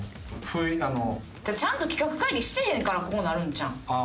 ちゃんと企画会議してへんからこうなるんちゃうん？